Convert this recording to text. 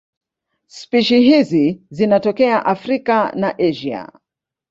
Spishi hizi zinatokea Afrika na Asia.